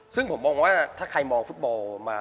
ซึ่งผมว่าแต่ใครมองฟุตบอล